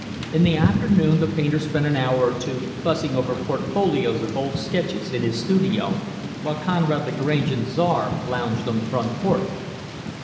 In the afternoon, the painter spent an hour or two fussing over portfolios of old sketches, in his studio; while Conrad Lagrange and Czar lounged on the front porch.